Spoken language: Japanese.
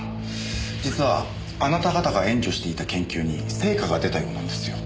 実はあなた方が援助していた研究に成果が出たようなんですよ。